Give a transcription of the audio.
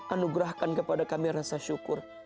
anugerahkan kepada kami rasa syukur